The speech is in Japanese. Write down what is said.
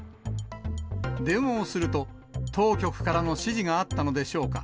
電話をすると、当局からの指示があったのでしょうか。